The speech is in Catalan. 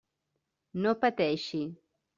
No pateixi.